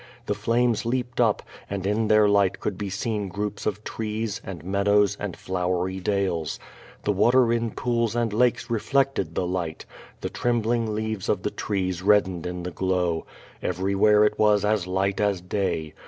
The flames leaped up, and in their light could be seen groups of trees, and meadows, and flowery dales. The water in pools and lakes reflected the light. The trembling leaves of the trees reddened in the glow, lilverywhere it was as light as day.